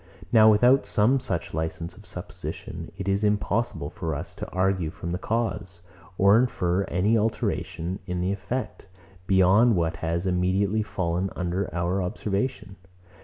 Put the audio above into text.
Now, without some such licence of supposition, it is impossible for us to argue from the cause, or infer any alteration in the effect, beyond what has immediately fallen under our observation.